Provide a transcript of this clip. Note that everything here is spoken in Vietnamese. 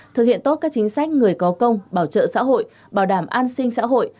thực hiện tốt các chính sách người có công bảo trợ xã hội bảo đảm an sinh xã hội